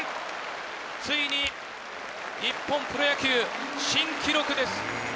ついに日本プロ野球新記録です。